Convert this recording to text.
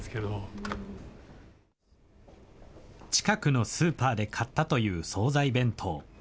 近くのスーパーで買ったという総菜弁当。